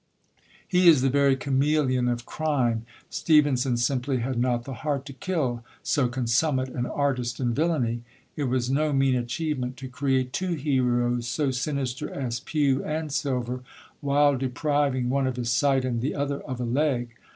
He is the very chameleon of crime. Stevenson simply had not the heart to kill so consummate an artist in villainy. It was no mean achievement to create two heroes so sinister as Pew and Silver, while depriving one of his sight and the other of a leg.